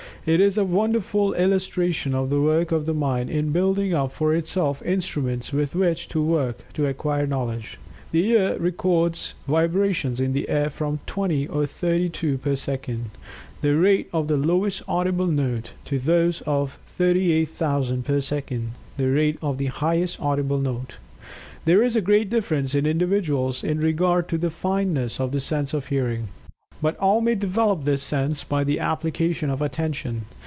It is a wonderful illustration of the work of the mind in building up for itself instruments with which to work to acquire knowledge. The ear records vibrations in the air from 20 or 32 per second, the rate of the lowest audible note, to those of 38,000 per second, the rate of the highest audible note. There is a great difference in individuals in regard to the fineness of the sense of Hearing. But all may develop this sense by the application of Attention.